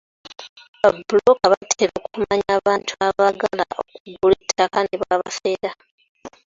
Babbulooka batera okumanya abantu abaagala okugula ettaka ne babafera.